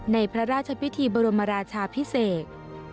ในพระราชพิธีบรมราชาพิเศษ